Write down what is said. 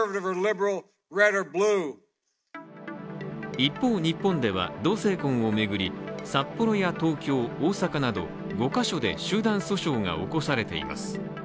一方、日本では同性婚を巡り札幌や東京、大阪など５か所で集団訴訟が起こされています。